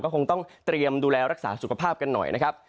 คงต้องเตรียมดูแลรักษาสุขภาพกันหน่อยนะครับ